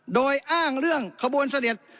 โดยอ้างเรื่องขบวนเสด็จ